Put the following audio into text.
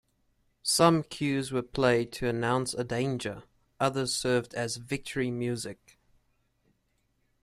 Some cues were played to announce a danger; others served as 'victory' music.